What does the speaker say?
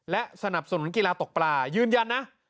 และสนับสนุนกีฬาตกปลายืนยันนะ